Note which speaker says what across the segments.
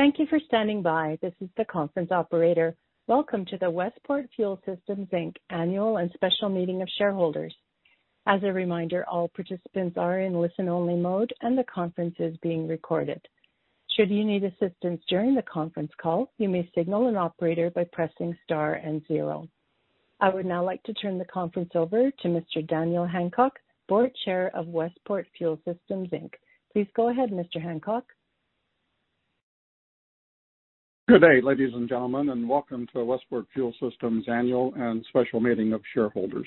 Speaker 1: Thank you for standing by. This is the conference operator. Welcome to the Westport Fuel Systems Inc. Annual and Special Meeting of Shareholders. As a reminder, all participants are in listen-only mode and the conference is being recorded. Should you need assistance during the conference call, you may signal an operator by pressing star and zero. I would now like to turn the conference over to Mr. Daniel Hancock, Board Chair of Westport Fuel Systems Inc. Please go ahead, Mr. Hancock.
Speaker 2: Good day, ladies and gentlemen, welcome to the Westport Fuel Systems Annual and Special Meeting of Shareholders.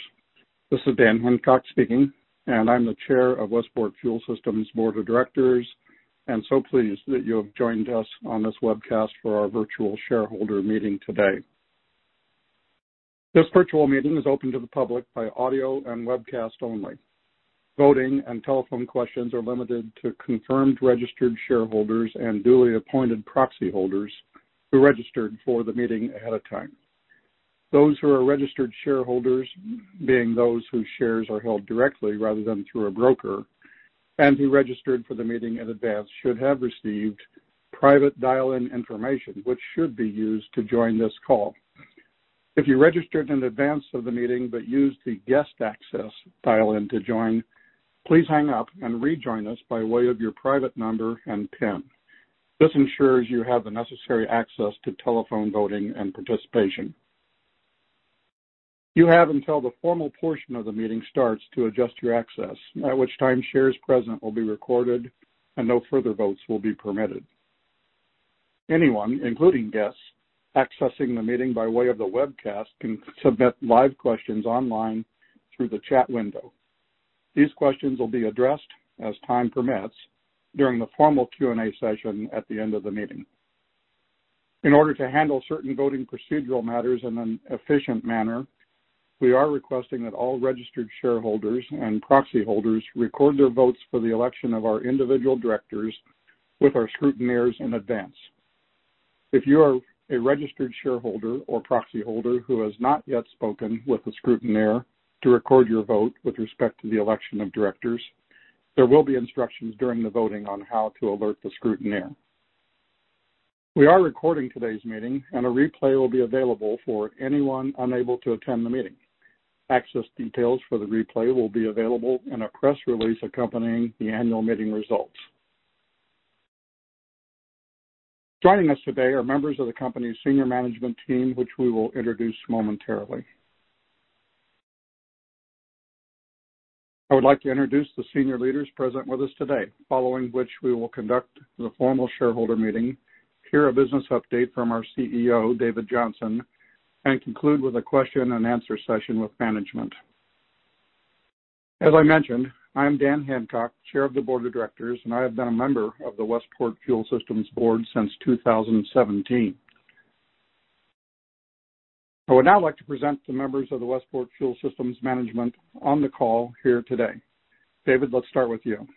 Speaker 2: This is Dan Hancock speaking. I'm the Chair of Westport Fuel Systems Board of Directors, so pleased that you have joined us on this webcast for our virtual shareholder meeting today. This virtual meeting is open to the public by audio and webcast only. Voting and telephone questions are limited to confirmed registered shareholders and duly appointed proxy holders who registered for the meeting ahead of time. Those who are registered shareholders, being those whose shares are held directly rather than through a broker, who registered for the meeting in advance should have received private dial-in information which should be used to join this call. If you registered in advance of the meeting but used the guest access dial-in to join, please hang up and rejoin us by way of your private number and pin. This ensures you have the necessary access to telephone voting and participation. You have until the formal portion of the meeting starts to adjust your access, at which time shares present will be recorded and no further votes will be permitted. Anyone, including guests, accessing the meeting by way of the webcast can submit live questions online through the chat window. These questions will be addressed as time permits during the formal Q&A session at the end of the meeting. In order to handle certain voting procedural matters in an efficient manner, we are requesting that all registered shareholders and proxy holders record their votes for the election of our individual directors with our scrutineers in advance. If you are a registered shareholder or proxy holder who has not yet spoken with a scrutineer to record your vote with respect to the election of directors, there will be instructions during the voting on how to alert the scrutineer. We are recording today's meeting and a replay will be available for anyone unable to attend the meeting. Access details for the replay will be available in a press release accompanying the annual meeting results. Joining us today are members of the company's senior management team, which we will introduce momentarily. I would like to introduce the senior leaders present with us today, following which we will conduct the formal shareholder meeting, hear a business update from our CEO, David Johnson, and conclude with a question and answer session with management. As I mentioned, I'm Dan Hancock, Chair of the Board of Directors, and I have been a member of the Westport Fuel Systems Board since 2017. I would now like to present the members of the Westport Fuel Systems management on the call here today. David, let's start with you.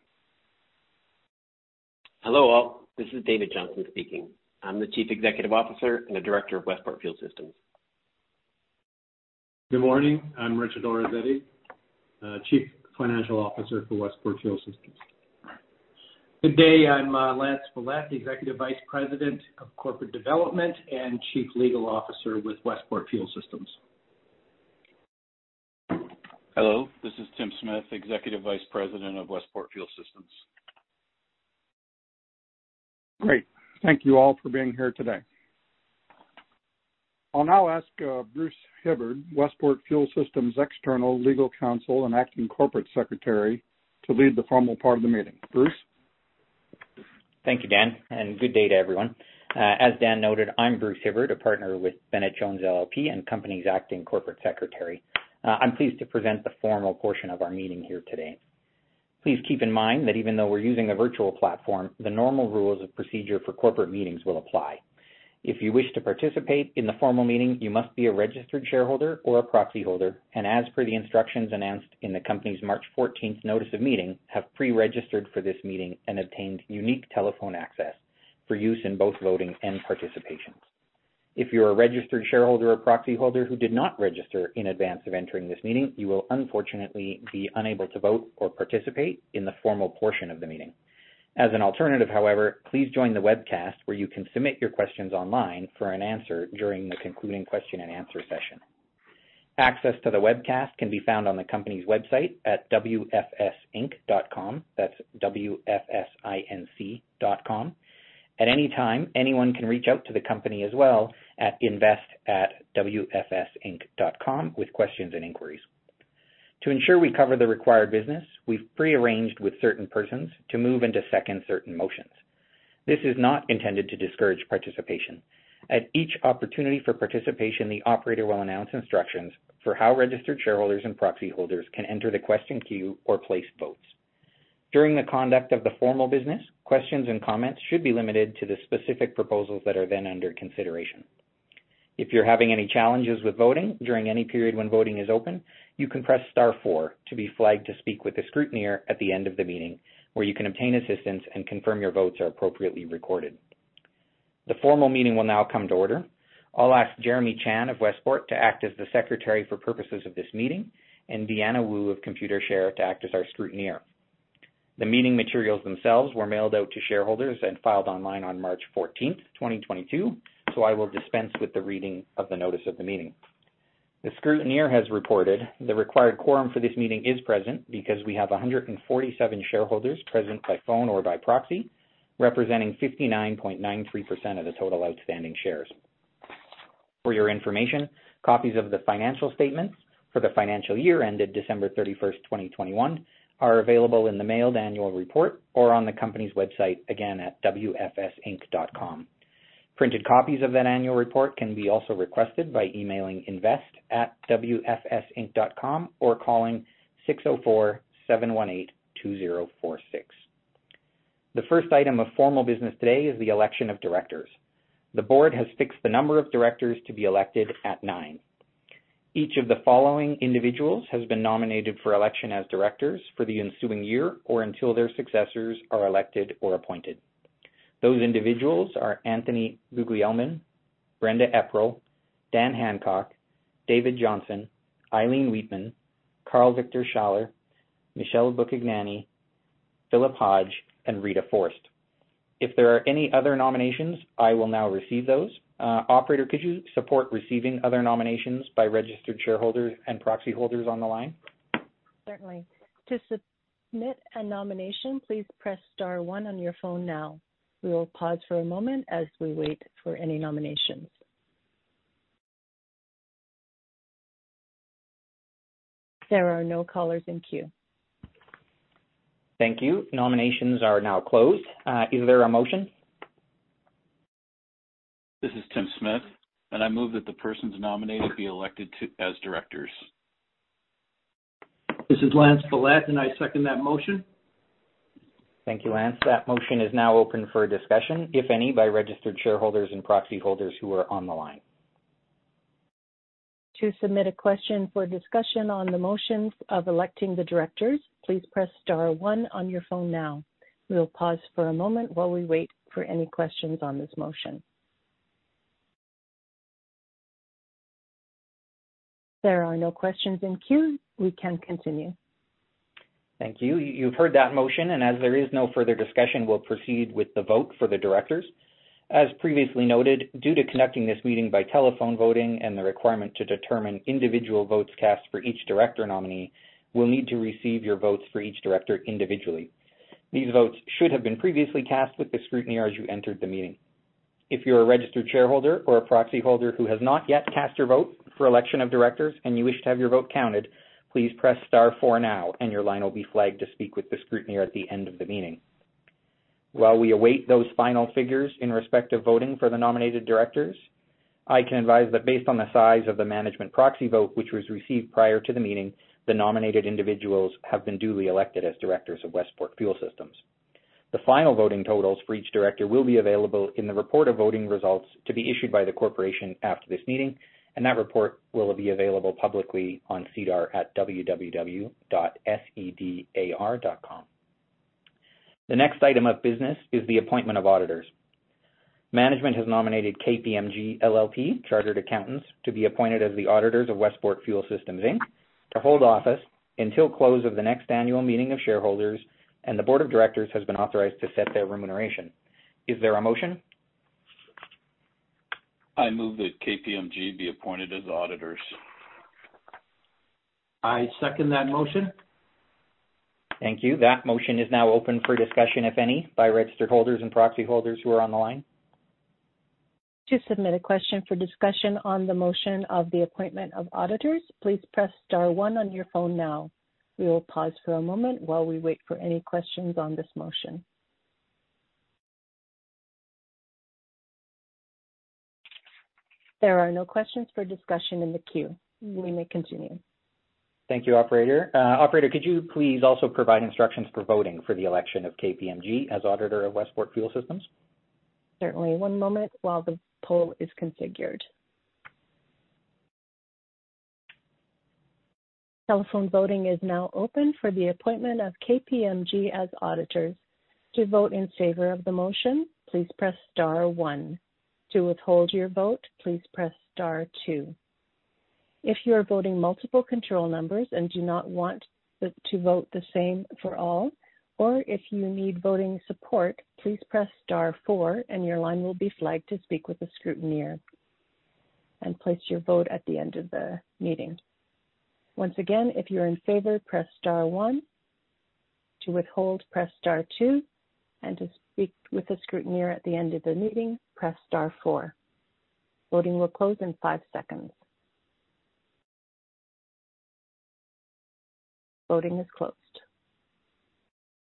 Speaker 3: Hello all. This is David Johnson speaking. I'm the Chief Executive Officer and a Director of Westport Fuel Systems.
Speaker 4: Good morning. I'm Richard Orazietti, Chief Financial Officer for Westport Fuel Systems.
Speaker 5: Good day. I'm Lance Follett, Executive Vice President of Corporate Development and Chief Legal Officer with Westport Fuel Systems.
Speaker 6: Hello. This is Tim Smith, Executive Vice President of Westport Fuel Systems.
Speaker 2: Great. Thank you all for being here today. I'll now ask Bruce Hibbard, Westport Fuel Systems External Legal Counsel and acting Corporate Secretary to lead the formal part of the meeting. Bruce?
Speaker 7: Thank you, Dan. Good day to everyone. As Dan noted, I'm Bruce Hibbard, a partner with Bennett Jones LLP and company's acting Corporate Secretary. I'm pleased to present the formal portion of our meeting here today. Please keep in mind that even though we're using a virtual platform, the normal rules of procedure for corporate meetings will apply. If you wish to participate in the formal meeting, you must be a registered shareholder or a proxy holder, and as per the instructions announced in the company's March 14th notice of meeting, have pre-registered for this meeting and obtained unique telephone access for use in both voting and participation. If you're a registered shareholder or proxy holder who did not register in advance of entering this meeting, you will unfortunately be unable to vote or participate in the formal portion of the meeting. As an alternative, however, please join the webcast where you can submit your questions online for an answer during the concluding question and answer session. Access to the webcast can be found on the company's website at wfsinc.com. That's W-F-S-I-N-C dot com. At any time, anyone can reach out to the company as well at invest@wfsinc.com with questions and inquiries. To ensure we cover the required business, we've prearranged with certain persons to move into second certain motions. This is not intended to discourage participation. At each opportunity for participation, the operator will announce instructions for how registered shareholders and proxy holders can enter the question queue or place votes. During the conduct of the formal business, questions and comments should be limited to the specific proposals that are then under consideration. If you're having any challenges with voting during any period when voting is open, you can press star four to be flagged to speak with a scrutineer at the end of the meeting, where you can obtain assistance and confirm your votes are appropriately recorded. The formal meeting will now come to order. I'll ask Jeremy Chan of Westport to act as the Secretary for purposes of this meeting and Deanna Wu of Computershare to act as our scrutineer. The meeting materials themselves were mailed out to shareholders and filed online on March 14th, 2022, so I will dispense with the reading of the notice of the meeting. The scrutineer has reported the required quorum for this meeting is present because we have 147 shareholders present by phone or by proxy, representing 59.93% of the total outstanding shares. For your information, copies of the financial statements for the financial year ended December 31st, 2021, are available in the mailed annual report or on the company's website, again, at westport.com. Printed copies of that annual report can be also requested by emailing invest@westport.com or calling 604-718-2046. The first item of formal business today is the election of directors. The board has fixed the number of directors to be elected at nine. Each of the following individuals has been nominated for election as directors for the ensuing year or until their successors are elected or appointed. Those individuals are Tony Guglielmin, Brenda Eprile, Dan Hancock, David Johnson, Eileen Wheatman, Karl-Viktor Schaller, Michele Buchignani, Philip Hodge, and Rita Forst. If there are any other nominations, I will now receive those. Operator, could you support receiving other nominations by registered shareholders and proxy holders on the line?
Speaker 1: Certainly. To submit a nomination, please press star one on your phone now. We will pause for a moment as we wait for any nominations. There are no callers in queue.
Speaker 7: Thank you. Nominations are now closed. Is there a motion?
Speaker 6: This is Tim Smith, and I move that the persons nominated be elected as directors.
Speaker 5: This is Lance Follett, and I second that motion.
Speaker 7: Thank you, Lance. That motion is now open for discussion, if any, by registered shareholders and proxy holders who are on the line.
Speaker 1: To submit a question for discussion on the motions of electing the directors, please press star one on your phone now. We will pause for a moment while we wait for any questions on this motion. There are no questions in queue. We can continue.
Speaker 7: Thank you. You've heard that motion. As there is no further discussion, we'll proceed with the vote for the Directors. As previously noted, due to conducting this meeting by telephone voting and the requirement to determine individual votes cast for each Director nominee, we'll need to receive your votes for each Director individually. These votes should have been previously cast with the Scrutineer as you entered the meeting. If you're a registered shareholder or a proxy holder who has not yet cast your vote for election of Directors and you wish to have your vote counted, please press star four now, and your line will be flagged to speak with the Scrutineer at the end of the meeting. While we await those final figures in respect of voting for the nominated directors, I can advise that based on the size of the management proxy vote which was received prior to the meeting, the nominated individuals have been duly elected as directors of Westport Fuel Systems. The final voting totals for each director will be available in the report of voting results to be issued by the corporation after this meeting, and that report will be available publicly on SEDAR at www.sedar.com. The next item of business is the appointment of auditors. Management has nominated KPMG LLP Chartered Accountants to be appointed as the auditors of Westport Fuel Systems Inc. to hold office until close of the next annual meeting of shareholders, and the board of directors has been authorized to set their remuneration. Is there a motion?
Speaker 6: I move that KPMG be appointed as auditors.
Speaker 5: I second that motion.
Speaker 7: Thank you. That motion is now open for discussion, if any, by registered holders and proxy holders who are on the line.
Speaker 1: To submit a question for discussion on the motion of the appointment of auditors, please press star one on your phone now. We will pause for a moment while we wait for any questions on this motion. There are no questions for discussion in the queue. We may continue.
Speaker 7: Thank you, operator. Operator, could you please also provide instructions for voting for the election of KPMG as auditor of Westport Fuel Systems?
Speaker 1: Certainly. One moment while the poll is configured. Telephone voting is now open for the appointment of KPMG as auditors. To vote in favor of the motion, please press star one. To withhold your vote, please press star two. If you are voting multiple control numbers and do not want to vote the same for all, or if you need voting support, please press star four and your line will be flagged to speak with a scrutineer and place your vote at the end of the meeting. Once again, if you're in favor, press star one. To withhold, press star two, and to speak with a scrutineer at the end of the meeting, press star four. Voting will close in five seconds. Voting is closed.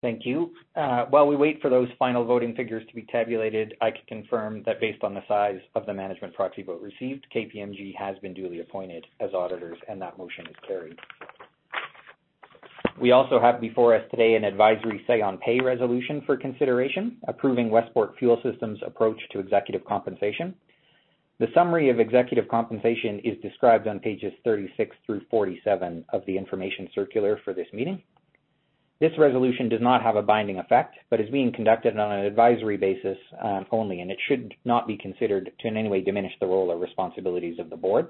Speaker 7: Thank you. While we wait for those final voting figures to be tabulated, I can confirm that based on the size of the management proxy vote received, KPMG has been duly appointed as auditors. That motion is carried. We also have before us today an advisory say on pay resolution for consideration, approving Westport Fuel Systems' approach to executive compensation. The summary of executive compensation is described on pages 36 through 47 of the information circular for this meeting. This resolution does not have a binding effect, but is being conducted on an advisory basis only, and it should not be considered to in any way diminish the role or responsibilities of the board.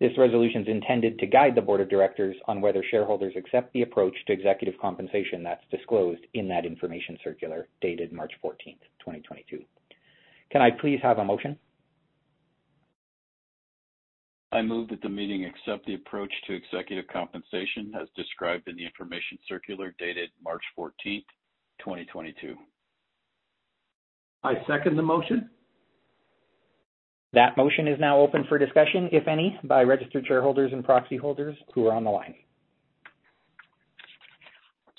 Speaker 7: This resolution is intended to guide the board of directors on whether shareholders accept the approach to executive compensation that's disclosed in that information circular dated March 14th, 2022. Can I please have a motion?
Speaker 6: I move that the meeting accept the approach to executive compensation as described in the information circular dated March 14th, 2022.
Speaker 5: I second the motion.
Speaker 7: That motion is now open for discussion, if any, by registered shareholders and proxy holders who are on the line.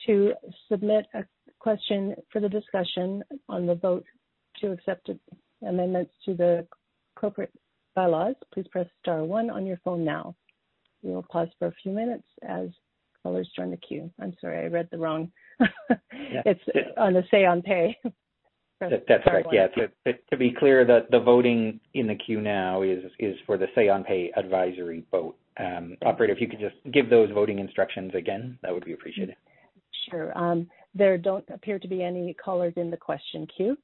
Speaker 1: To submit a question for the discussion on the vote to accept amendments to the corporate bylaws, please press star one on your phone now. We will pause for a few minutes as callers join the queue. I'm sorry, I read that wrong. It's on the say on pay.
Speaker 7: That's all right. Yeah. To be clear, the voting in the queue now is for the say on pay advisory vote. Operator, if you could just give those voting instructions again, that would be appreciated.
Speaker 1: Sure. There don't appear to be any callers in the question queue.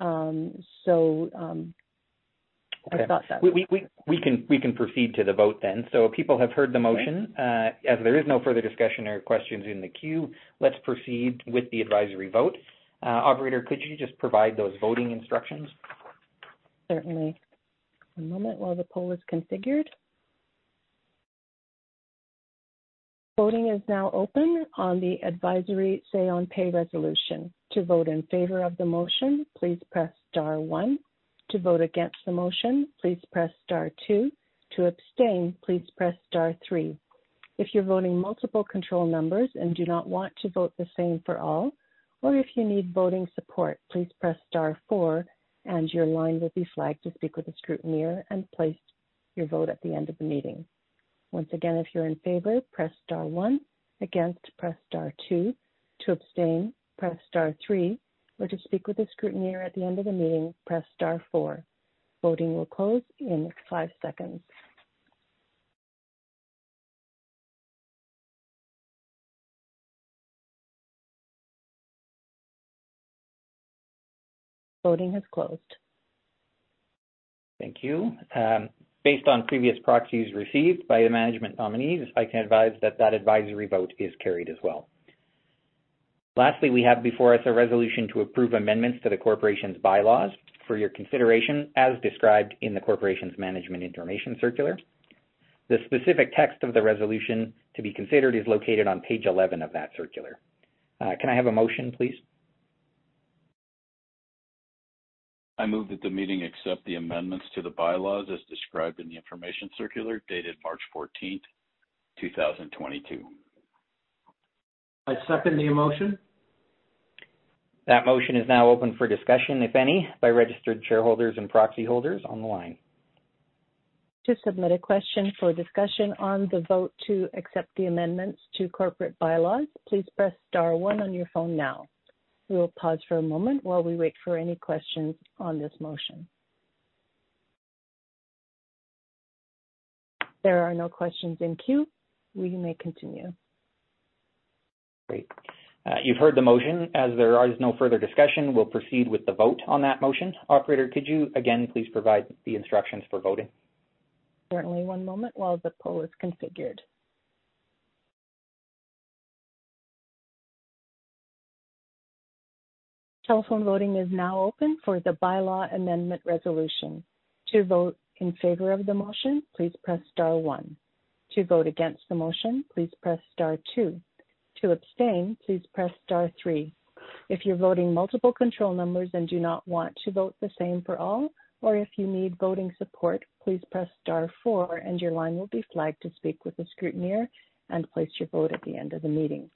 Speaker 1: I thought so.
Speaker 7: Okay. We can proceed to the vote then. People have heard the motion. There is no further discussion or questions in the queue, let's proceed with the advisory vote. Operator, could you just provide those voting instructions?
Speaker 1: Certainly. One moment while the poll is configured. Voting is now open on the advisory say on pay resolution. To vote in favor of the motion, please press star one. To vote against the motion, please press star two. To abstain, please press star three. If you're voting multiple control numbers and do not want to vote the same for all, or if you need voting support, please press star four and your line will be flagged to speak with a scrutineer and place your vote at the end of the meeting. Once again, if you're in favor, press star one. Against, press star two. To abstain, press star three. Or to speak with a scrutineer at the end of the meeting, press star four. Voting will close in five seconds. Voting has closed.
Speaker 7: Thank you. Based on previous proxies received by management on these, I can advise that advisory vote is carried as well. Lastly, we have before us a resolution to approve amendments to the corporation's bylaws for your consideration as described in the corporation's management information circular. The specific text of the resolution to be considered is located on page 11 of that circular. Can I have a motion, please?
Speaker 6: I move that the meeting accept the amendments to the bylaws as described in the information circular dated March 14th, 2022.
Speaker 5: I second the motion.
Speaker 7: That motion is now open for discussion, if any, by registered shareholders and proxy holders on the line.
Speaker 1: To submit a question for discussion on the vote to accept the amendments to corporate bylaws, please press star one on your phone now. We will pause for a moment while we wait for any questions on this motion. There are no questions in queue. We may continue.
Speaker 7: Great. You've heard the motion. As there is no further discussion, we'll proceed with the vote on that motion. Operator, could you again please provide the instructions for voting?
Speaker 1: Certainly. One moment while the poll is configured. Telephone voting is now open for the bylaw amendment resolution. To vote in favor of the motion, please press star one. To vote against the motion, please press star two. To abstain, please press star three. If you're voting multiple control numbers and do not want to vote the same for all, or if you need voting support, please press star four and your line will be flagged to speak with a scrutineer and place your vote at the end of the meeting.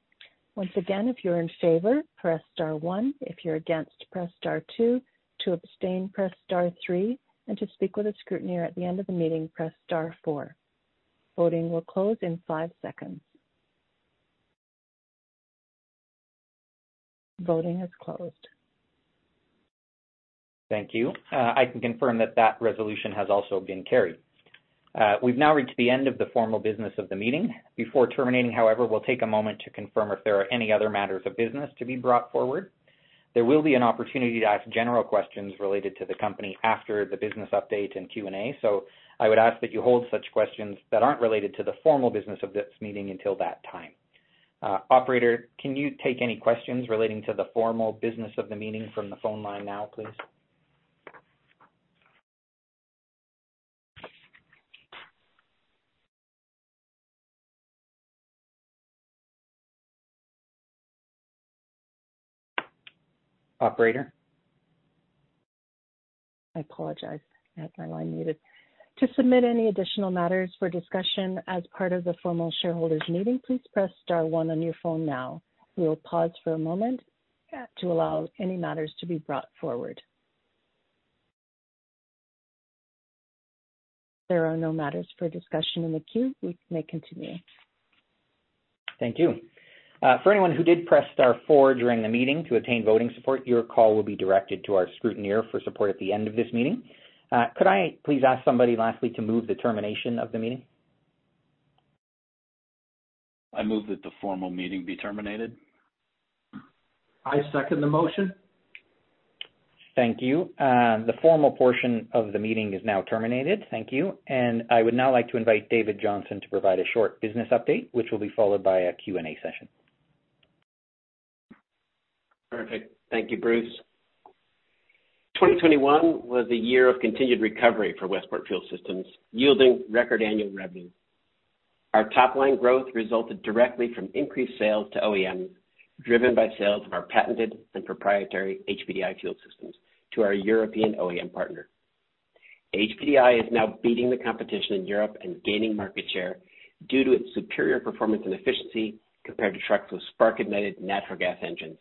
Speaker 1: Once again, if you're in favor, press star one. If you're against, press star two. To abstain, press star three. To speak with a scrutineer at the end of the meeting, press star four. Voting will close in five seconds. Voting has closed.
Speaker 7: Thank you. I can confirm that that resolution has also been carried. We've now reached the end of the formal business of the meeting. Before terminating, however, we'll take a moment to confirm if there are any other matters of business to be brought forward. There will be an opportunity to ask general questions related to the company after the business update and Q&A, so I would ask that you hold such questions that aren't related to the formal business of this meeting until that time. Operator, can you take any questions relating to the formal business of the meeting from the phone line now, please? Operator?
Speaker 1: I apologize. I had my line muted. To submit any additional matters for discussion as part of the formal shareholders' meeting, please press star one on your phone now. We will pause for a moment to allow any matters to be brought forward. There are no matters for discussion in the queue. We may continue.
Speaker 7: Thank you. For anyone who did press star four during the meeting to obtain voting support, your call will be directed to our scrutineer for support at the end of this meeting. Could I please ask somebody lastly to move the termination of the meeting? I move that the formal meeting be terminated.
Speaker 3: I second the motion.
Speaker 7: Thank you. The formal portion of the meeting is now terminated. Thank you. I would now like to invite David Johnson to provide a short business update, which will be followed by a Q&A session.
Speaker 3: Perfect. Thank you, Bruce. 2021 was a year of continued recovery for Westport Fuel Systems, yielding record annual revenue. Our top-line growth resulted directly from increased sales to OEMs, driven by sales of our patented and proprietary HPDI fuel systems to our European OEM partner. HPDI is now beating the competition in Europe and gaining market share due to its superior performance and efficiency compared to trucks with spark-ignited natural gas engines,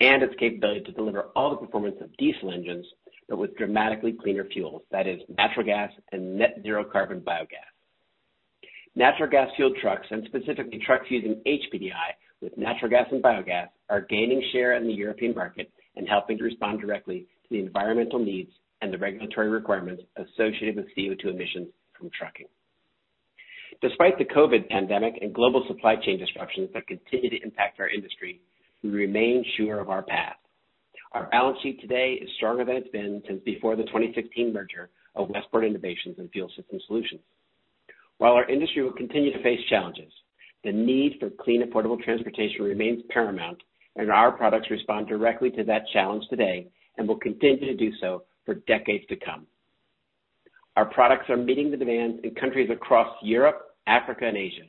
Speaker 3: and its capability to deliver all the performance of diesel engines but with dramatically cleaner fuel, that is natural gas and net-zero carbon biogas. Natural gas fuel trucks, and specifically trucks using HPDI with natural gas and biogas, are gaining share in the European market and helping respond directly to the environmental needs and the regulatory requirements associated with CO2 emissions from trucking. Despite the COVID pandemic and global supply chain disruptions that continue to impact our industry, we remain sure of our path. Our balance sheet today is stronger than it's been since before the 2016 merger of Westport Innovations and Fuel Systems Solutions. While our industry will continue to face challenges, the need for clean, affordable transportation remains paramount, and our products respond directly to that challenge today and will continue to do so for decades to come. Our products are meeting the demand in countries across Europe, Africa, and Asia.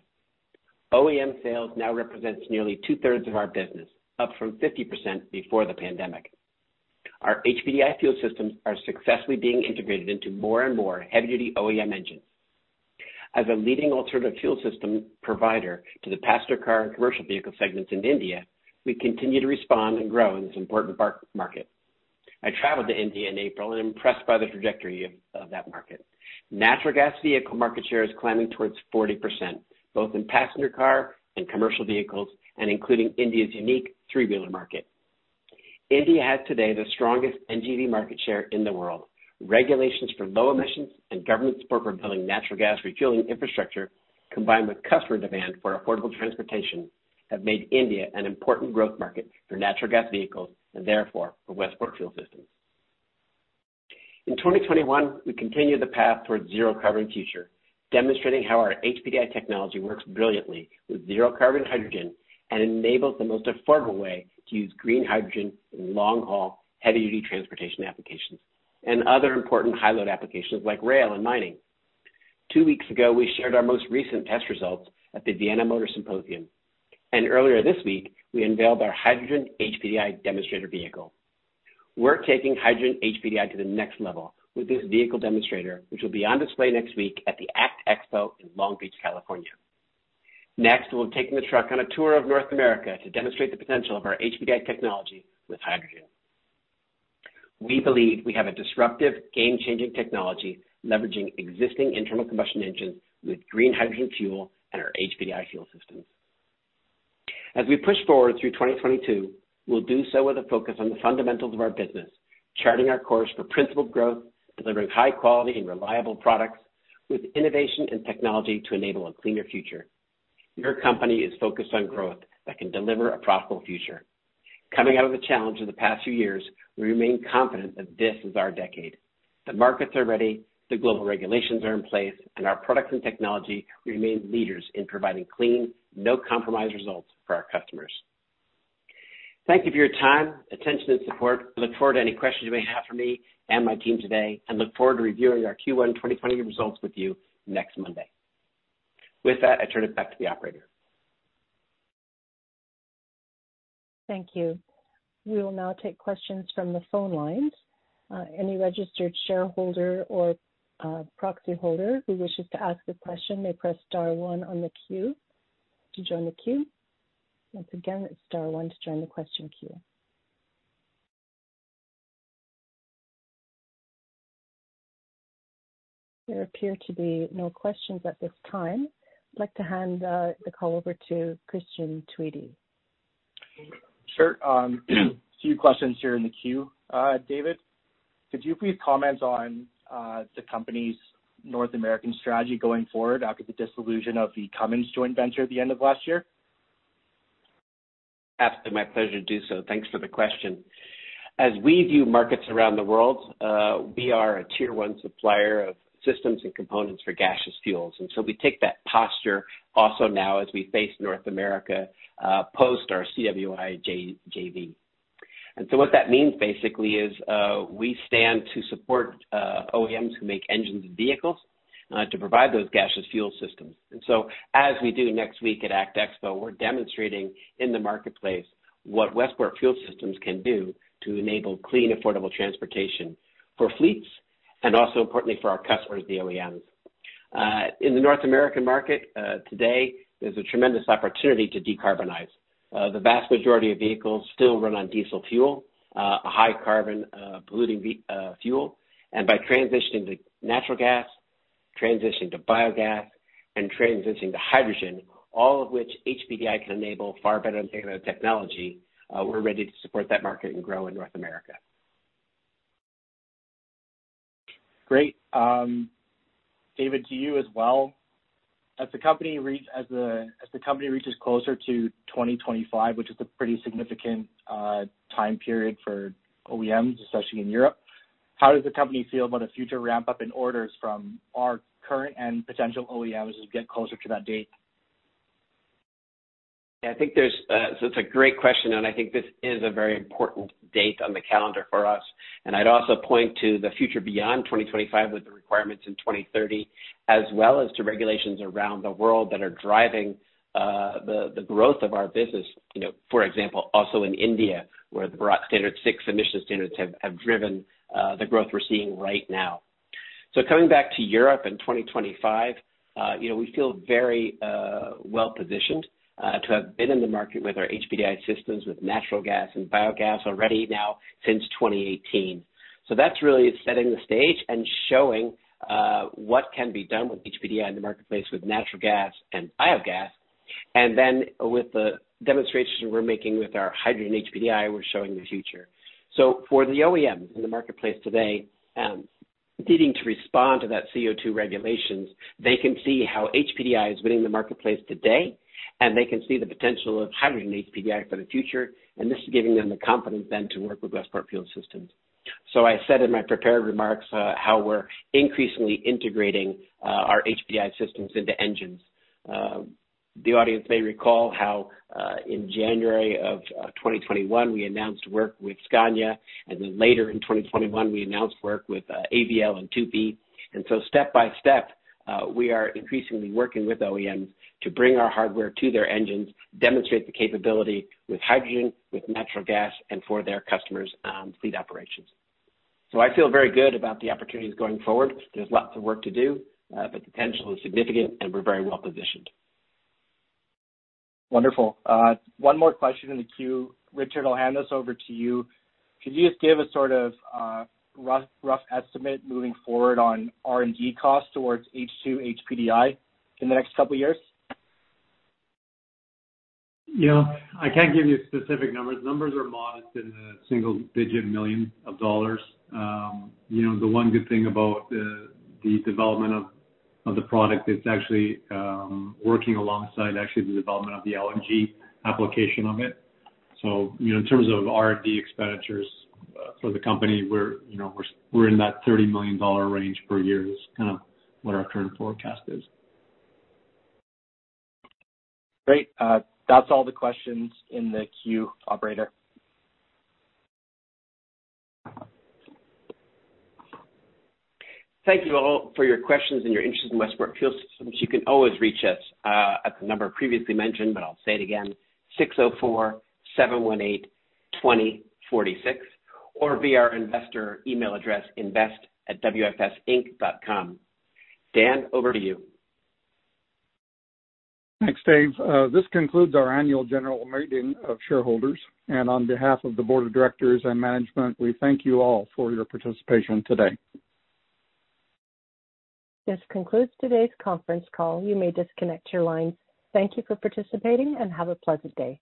Speaker 3: OEM sales now represents nearly two-thirds of our business, up from 50% before the pandemic. Our HPDI fuel systems are successfully being integrated into more and more heavy-duty OEM engines. As a leading alternative fuel system provider to the passenger car and commercial vehicle segments in India, we continue to respond and grow in this important market. I traveled to India in April and am impressed by the trajectory of that market. Natural gas vehicle market share is climbing towards 40%, both in passenger car and commercial vehicles, and including India's unique three-wheeler market. India has today the strongest NGV market share in the world. Regulations for low emissions and government support for building natural gas refueling infrastructure, combined with customer demand for affordable transportation, have made India an important growth market for natural gas vehicles, and therefore for Westport Fuel Systems. In 2021, we continued the path towards a zero-carbon future, demonstrating how our HPDI technology works brilliantly with zero-carbon hydrogen and enables the most affordable way to use green hydrogen in long-haul, heavy-duty transportation applications and other important highload applications like rail and mining. Two weeks ago, we shared our most recent test results at the Vienna Motor Symposium, and earlier this week, we unveiled our hydrogen HPDI demonstrator vehicle. We're taking hydrogen HPDI to the next level with this vehicle demonstrator, which will be on display next week at the ACT Expo in Long Beach, California. Next, we're taking the truck on a tour of North America to demonstrate the potential of our HPDI technology with hydrogen. We believe we have a disruptive, game-changing technology leveraging existing internal combustion engines with green hydrogen fuel and our HPDI fuel systems. As we push forward through 2022, we'll do so with a focus on the fundamentals of our business, charting our course for principled growth, delivering high quality and reliable products with innovation and technology to enable a cleaner future. Your company is focused on growth that can deliver a profitable future. Coming out of the challenge in the past few years, we remain confident that this is our decade. The markets are ready, the global regulations are in place, and our products and technology remain leaders in providing clean, no-compromise results for our customers. Thank you for your time, attention, and support. Look forward to any questions you may have for me and my team today and look forward to reviewing our Q1 2020 results with you next Monday. With that, I turn it back to the operator.
Speaker 1: Thank you. We will now take questions from the phone lines. Any registered shareholder or proxy holder who wishes to ask a question may press star one on the queue to join the queue. Once again, it's star one to join the question queue. There appear to be no questions at this time. I'd like to hand the call over to Christian Tweedy.
Speaker 8: Sure. A few questions here in the queue. David, could you please comment on the company's North American strategy going forward after the dissolution of the Cummins joint venture at the end of last year? Absolutely. My pleasure to do so. Thanks for the question. As we view markets around the world, we are a tier 1 supplier of systems and components for gaseous fuels, and so we take that posture also now as we face North America post our CWI JV. What that means basically is we stand to support OEMs who make engines and vehicles to provide those gaseous fuel systems. As we do next week at ACT Expo, we're demonstrating in the marketplace what Westport Fuel Systems can do to enable clean, affordable transportation for fleets and also importantly for our customers, the OEMs.
Speaker 3: In the North American market today, there's a tremendous opportunity to decarbonize. The vast majority of vehicles still run on diesel fuel, a high carbon polluting fuel, and by transitioning to natural gas, transitioning to biogas, and transitioning to hydrogen, all of which HPDI can enable far better than competing technology, we're ready to support that market and grow in North America.
Speaker 8: Great. David, to you as well. As the company reaches closer to 2025, which is a pretty significant time period for OEMs, especially in Europe, how does the company feel about a future ramp-up in orders from our current and potential OEMs as we get closer to that date?
Speaker 3: Yeah. It's a great question, and I think this is a very important date on the calendar for us. I'd also point to the future beyond 2025, with the requirements in 2030, as well as to regulations around the world that are driving the growth of our business. For example, also in India, where the Bharat Stage VI emissions standards have driven the growth we're seeing right now. Coming back to Europe and 2025, we feel very well-positioned to have been in the market with our HPDI systems with natural gas and biogas already now since 2018. That's really setting the stage and showing what can be done with HPDI in the marketplace with natural gas and biogas. With the demonstrations we're making with our hydrogen HPDI, we're showing the future. For the OEMs in the marketplace today, needing to respond to that CO2 regulations, they can see how HPDI is winning the marketplace today, and they can see the potential of hydrogen HPDI for the future. This is giving them the confidence then to work with Westport Fuel Systems. I said in my prepared remarks how we're increasingly integrating our HPDI systems into engines. The audience may recall how, in January 2021, we announced work with Scania, and then later in 2021, we announced work with AVL and Tupy. Step by step, we are increasingly working with OEMs to bring our hardware to their engines, demonstrate the capability with hydrogen, with natural gas, and for their customers' fleet operations. I feel very good about the opportunities going forward. There's lots of work to do, but the potential is significant, and we're very well positioned.
Speaker 8: Wonderful. One more question in the queue. Richard, I'll hand this over to you. Could you just give a sort of rough estimate moving forward on R&D costs towards H2 HPDI in the next couple of years?
Speaker 4: I can't give you specific numbers. Numbers are modest in the single-digit millions of USD. The one good thing about the development of the product, it's actually working alongside actually the development of the LNG application of it. In terms of R&D expenditures for the company, we're in that $30 million range per year is kind of what our current forecast is.
Speaker 8: Great. That's all the questions in the queue, operator.
Speaker 3: Thank you all for your questions and your interest in Westport Fuel Systems. You can always reach us at the number previously mentioned, but I'll say it again, 604-718-2046, or via our investor email address, invest@westport.com. Dan, over to you.
Speaker 2: Thanks, Dave. This concludes our annual general meeting of shareholders, and on behalf of the board of directors and management, we thank you all for your participation today.
Speaker 1: This concludes today's conference call. You may disconnect your lines. Thank you for participating, and have a pleasant day.